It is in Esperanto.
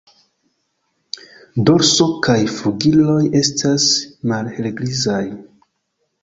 Dorso kaj flugiloj estas malhelgrizaj.